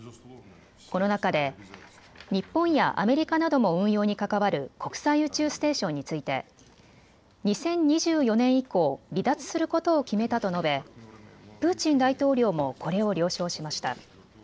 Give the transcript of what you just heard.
この中で日本やアメリカなども運用に関わる国際宇宙ステーションについて２０２４年以降、離脱することを決めたと述べ、プーチン大統領もこれを了承しました。